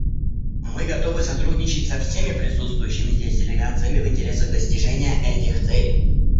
Мы готовы сотрудничать со всеми присутствующими здесь делегациями в интересах достижения этих целей.